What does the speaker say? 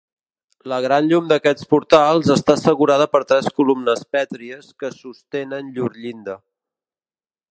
La gran llum d'aquests portals està assegurada per tres columnes pètries que sostenen llur llinda.